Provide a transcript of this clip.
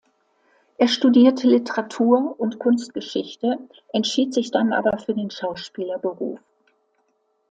Er studierte Literatur und Kunstgeschichte, entschied sich dann aber für den Schauspielerberuf.